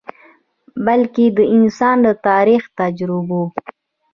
بلکه د انسان د تاریخي تجربو ،